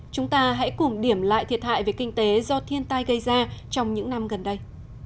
chúng ta hãy cùng điểm lại thiệt hại về kinh tế do thiên tai gây ra trong những năm gần đây